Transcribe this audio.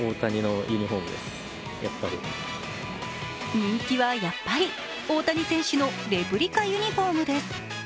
人気はやっぱり大谷選手のレプリカユニフォームです。